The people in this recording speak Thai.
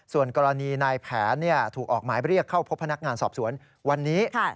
ส่วนกรณีนายแผนถูกออกหมายเรียกเข้าพบพนักงานสอบสวนวันนี้